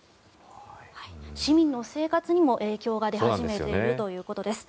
市民の生活にも影響が出始めているということです。